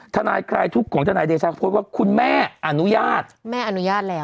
ทนายคลายทุกข์ของทนายเดชาก็โพสต์ว่าคุณแม่อนุญาตแม่อนุญาตแล้ว